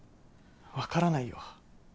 分からないよ。